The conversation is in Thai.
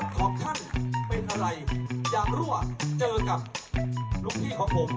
รถของท่านเป็นอะไรอยากร่วงเจอกับนวงพี่ของผม